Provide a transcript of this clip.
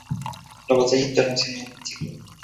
La batalla Internacional del siglo.